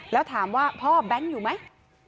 แล้วถามว่าพ่อแบงค์อยู่ไหม